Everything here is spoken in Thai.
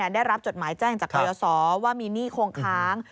ได้รับจดหมายแจ้งจากกรยศว่ามีหนี้คงค้าง